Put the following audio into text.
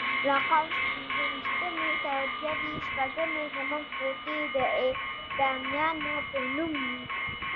له قوس پنځه ویشتمې تر جدي شپږمې زموږ کوټې د اعدامیانو په نوم وې.